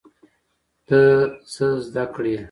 ته څه زده کړې؟